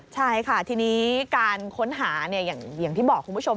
ใช่ค่ะทีนี้การค้นหาอย่างที่บอกคุณผู้ชม